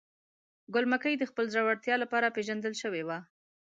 ګل مکۍ د خپل زړورتیا لپاره پیژندل شوې وه.